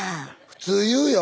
普通言うよ。